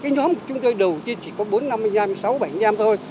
nhóm chúng tôi đầu tiên chỉ có bốn năm sáu bảy anh em thôi